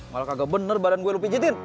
malah kagak bener badan gua yang lu pijetin